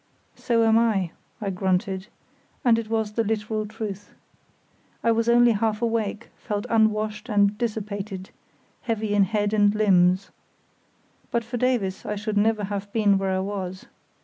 "So am I," I grunted, and it was the literal truth. I was only half awake, felt unwashed and dissipated, heavy in head and limbs. But for Davies I should never have been where I was.